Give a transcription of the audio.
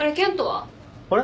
あれ？